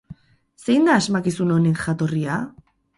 Zein da asmakizun honen jatorria?